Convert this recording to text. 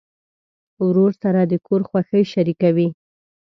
ورور سره د کور خوښۍ شریکوي.